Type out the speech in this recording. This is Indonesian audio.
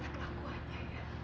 terlaku aja ya